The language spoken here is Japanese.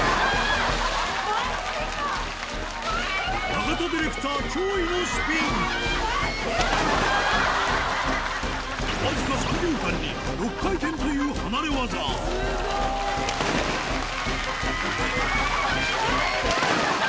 長田ディレクター驚異のスピンわずか３秒間に６回転という離れ業スゴい！